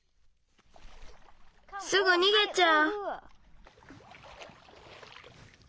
すぐにげちゃう。